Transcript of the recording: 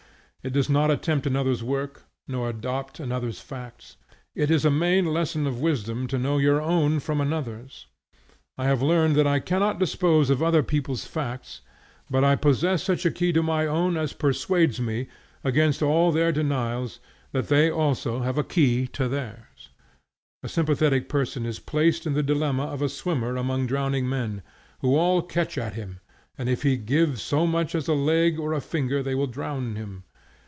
It does not attempt another's work, nor adopt another's facts. It is a main lesson of wisdom to know your own from another's. I have learned that I cannot dispose of other people's facts; but I possess such a key to my own as persuades me, against all their denials, that they also have a key to theirs. A sympathetic person is placed in the dilemma of a swimmer among drowning men, who all catch at him, and if he give so much as a leg or a finger they will drown him.